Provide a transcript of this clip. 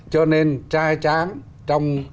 cho nên trai tráng trong